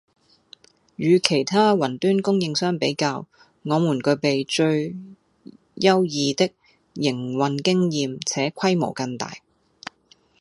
與其他雲端供應商比較，我們具備最優異的營運經驗且規模更大